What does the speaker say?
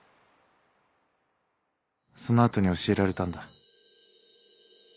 その後に教えられたんだ。